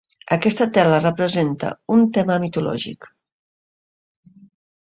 Aquesta tela representa un tema mitològic.